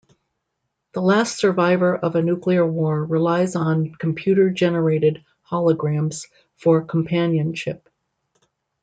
The last survivor of a nuclear war relies on computer generated holograms for companionship.